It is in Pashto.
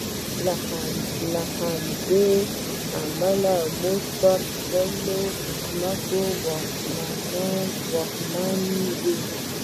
له همدې امله موږ پر ځمکه واکمن یو.